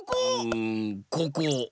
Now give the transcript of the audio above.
うんここ！